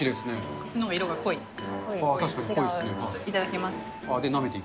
こっちのほうが色が濃い。